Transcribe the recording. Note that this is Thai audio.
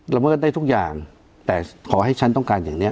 เมิดได้ทุกอย่างแต่ขอให้ฉันต้องการอย่างเนี้ย